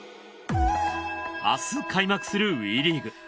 明日開幕するＷＥリーグ。